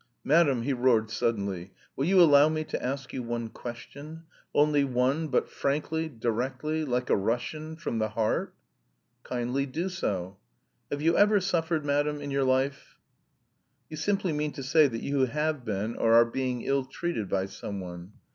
"Madam!" he roared suddenly. "Will you allow me to ask you one question? Only one, but frankly, directly, like a Russian, from the heart?" "Kindly do so." "Have you ever suffered madam, in your life?" "You simply mean to say that you have been or are being ill treated by someone."